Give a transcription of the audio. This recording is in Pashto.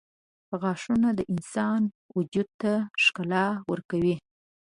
• غاښونه د انسان وجود ته ښکلا ورکوي.